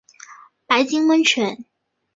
白金温泉